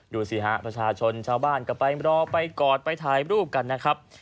ดูสิฮะประชาชนชาวบ้านก็ไปรอไปกอดไปถ่ายรูปกันนะครับ